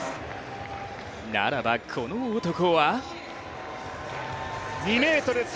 ならば、この男は？